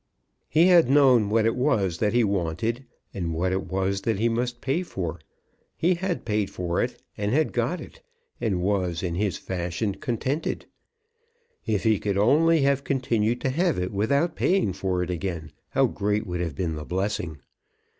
He had known what it was that he wanted, and what it was that he must pay for it. He had paid for it, and had got it, and was, in his fashion, contented. If he could only have continued to have it without paying for it again, how great would have been the blessing!